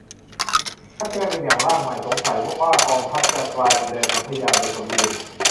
ถ้าแก้เป็นอย่างร่างใหม่ สงสัยว่ากองทัพจะกลายเป็นแดนสนธยาโดยสมบูรณ์